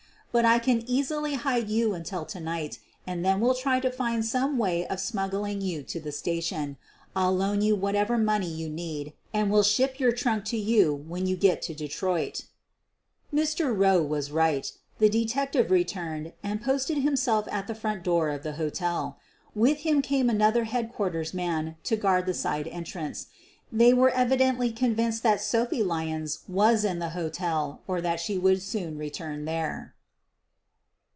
But I can easily hide you until night, and then we'll try to find some way of smuggling you to the station. I'll loan you what ever money you need and will ship your trunk to you when you get to Detroit. '' Mr. Rowe was right — the detective returned and posted himself at the front door of the hotel. With him came another headquarters man to guard the side entrance. They were evidently convinced that Sophie Lyons was in the hotel or that she would soon return there.